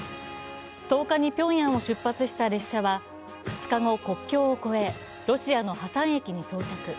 １０日にピョンヤンを出発した列車は２日後、国境を越え、ロシアのハサン駅に到着。